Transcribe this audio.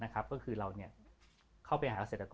ก็คือเราเข้าไปหาเกษตรกร